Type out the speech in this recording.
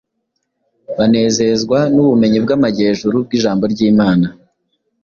Banezezwa n’ubumenyi bw’amajyejuru bw’ijambo ry’Imana.